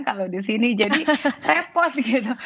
kalau di sini jadi repost gitu